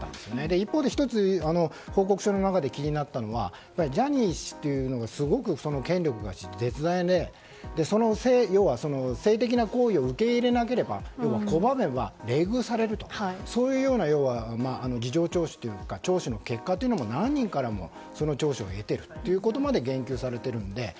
一方で１つ報告書の中で気になったのはジャニー氏というのはすごく権力が絶大で性的な行為を受け入れなければ拒めば冷遇されるというような事情聴取というか聴取の結果も何人から得ているということまで言及されているので。